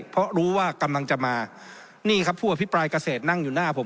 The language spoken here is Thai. เพราะรู้ว่ากำลังจะมานี่ครับผู้อภิปรายเกษตรนั่งอยู่หน้าผม